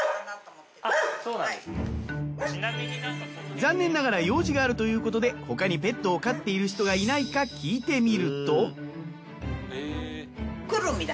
残念ながら用事があるということで他にペットを飼っている人がいないか聞いてみると。